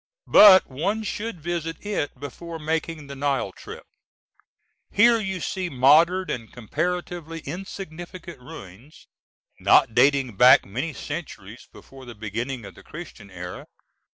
But one should visit it before making the Nile trip. Here you see modern and comparatively insignificant ruins, not dating back many centuries before the beginning of the Christian era.